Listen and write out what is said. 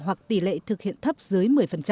hoặc tỷ lệ thực hiện thấp dưới một mươi